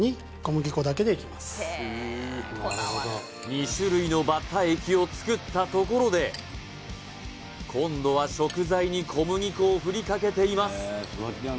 ２種類のバッター液を作ったところで今度は食材に小麦粉を振りかけています